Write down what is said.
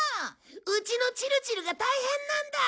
うちのチルチルが大変なんだ！